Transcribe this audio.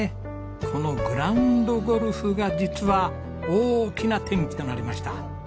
このグラウンド・ゴルフが実は大きな転機となりました。